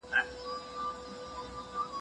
دویني ګروپ د ورځني غذا لارښوونه کوي.